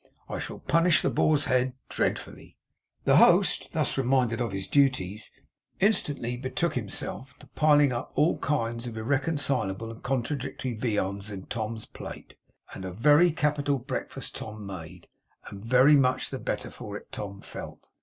'I shall punish the Boar's Head dreadfully.' The host, thus reminded of his duties, instantly betook himself to piling up all kinds of irreconcilable and contradictory viands in Tom's plate, and a very capital breakfast Tom made, and very much the better for it Tom felt.